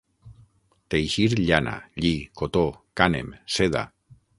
Teixir llana, lli, cotó, cànem, seda.